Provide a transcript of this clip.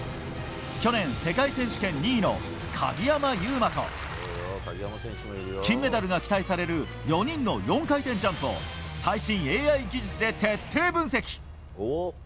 去年、世界選手権２位の鍵山優真と金メダルが期待される４人の４回転ジャンプを最新ＡＩ技術で徹底解析。